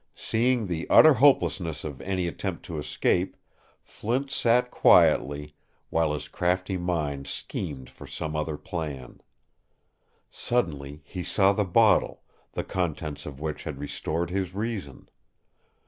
Seeing the utter hopelessness of any attempt to escape, Flint sat quietly, while his crafty mind schemed for some other plan. Suddenly he saw the bottle, the contents of which had restored his reason.